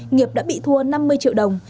nghiệp đã bị thua năm mươi triệu đồng